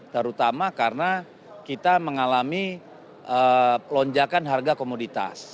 terutama karena kita mengalami lonjakan harga komoditas